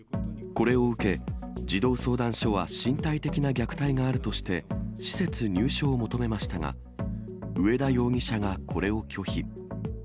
これを受け、児童相談所は身体的な虐待があるとして、施設入所を求めましたが、上田容疑者がこれを拒否。